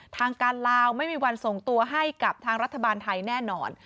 ทางการลาวไม่มีวันส่งตัวให้กับทางรัฐบาลไทยแน่นอน